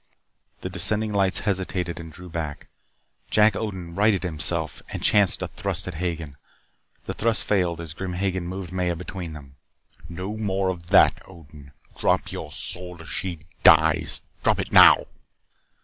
The descending lights hesitated and drew back. Jack Odin righted himself and chanced a thrust at Hagen. The thrust failed as Grim Hagen moved Maya between them. "No more of that, Odin. Drop your sword or she dies. Drop it now!"